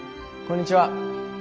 こんにちは。